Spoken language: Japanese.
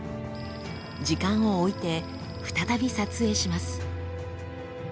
時間を置いて再び撮影します。